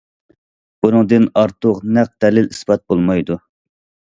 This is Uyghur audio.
بۇنىڭدىن ئارتۇق نەق دەلىل- ئىسپات بولمايدۇ.